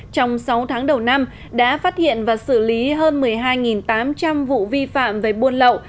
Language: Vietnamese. trong sáu tháng đầu năm đã phát hiện và xử lý hơn một mươi hai tám trăm linh vụ vi phạm về buôn lậu